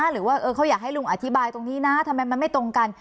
หรือว่าเขาอยากให้ลุงอธิบายตรงนี้นะทำไมมันไม่ตรงกัน